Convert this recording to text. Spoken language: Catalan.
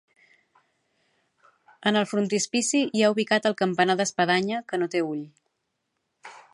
En el frontispici hi ha ubicat el campanar d'espadanya, que no té ull.